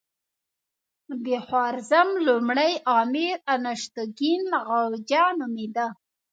د خوارزم لومړی امیر انوشتګین غرجه نومېده.